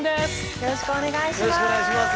よろしくお願いします。